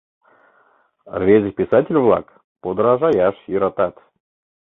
Рвезе писатель-влак подражаяш йӧратат.